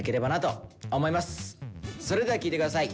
それでは聴いて下さい。